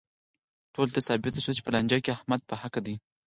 ټولو ته ثابته شوه چې په لانجه کې احمد په حقه دی.